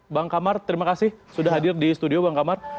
bang kamar terima kasih sudah hadir di studio bang kamar